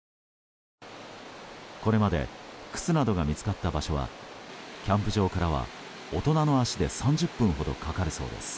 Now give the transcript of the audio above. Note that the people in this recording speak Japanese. これまで靴などが見つかった場所はキャンプ場からは大人の足で３０分ほどかかるそうです。